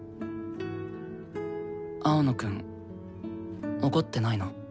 青野くん怒ってないの？